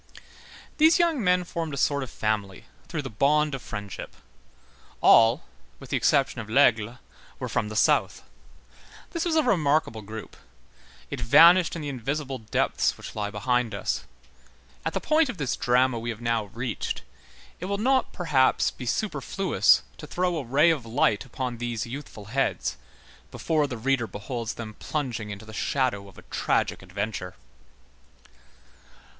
These young men formed a sort of family, through the bond of friendship. All, with the exception of Laigle, were from the South. [Illustration: Friends of the a B C] This was a remarkable group. It vanished in the invisible depths which lie behind us. At the point of this drama which we have now reached, it will not perhaps be superfluous to throw a ray of light upon these youthful heads, before the reader beholds them plunging into the shadow of a tragic adventure.